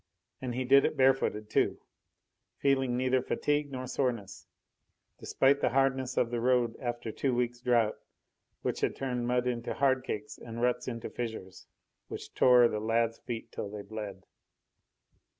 And he did it bare footed, too, feeling neither fatigue nor soreness, despite the hardness of the road after a two weeks' drought, which had turned mud into hard cakes and ruts into fissures which tore the lad's feet till they bled.